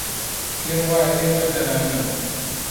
پێم وایە ئێمە دەناسن.